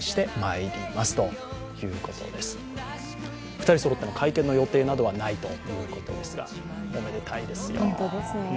２人そろっての会見の予定などはないということですがおめでたいですよ。